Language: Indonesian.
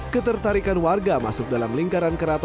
ketertarikan warga masuk dalam lingkaran kereta